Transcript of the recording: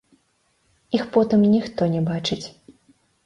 Іх потым ніхто не бачыць.